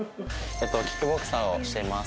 キックボクサーをしています